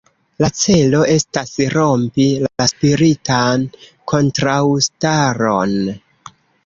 La celo estas rompi la spiritan kontraŭstaron.